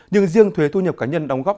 nhưng riêng thuế thu nhập của việt nam